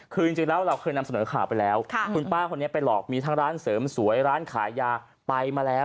คือจริงแล้วเราเคยนำเสนอข่าวไปแล้วคุณป้าคนนี้ไปหลอกมีทั้งร้านเสริมสวยร้านขายยาไปมาแล้ว